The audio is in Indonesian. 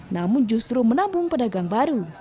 namun justru menabung pedagang baru